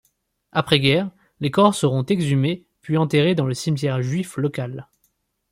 Après-guerre, les corps seront exhumés puis enterrés dans le cimetière juif local.